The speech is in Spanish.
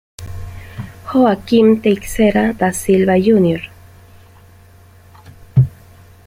Joaquim Teixeira da Silva Jr.